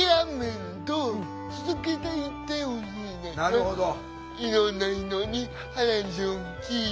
なるほど。